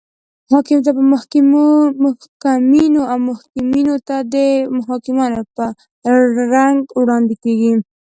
حاکم ته په محکومینو او محکومینو ته د حاکمانو په رنګ وړاندې کیږي.